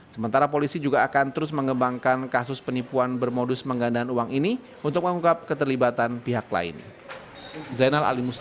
sementara polisi juga akan terus mengembangkan kasus penipuan bermodus penggandaan uang ini untuk mengungkap keterlibatan pihak lain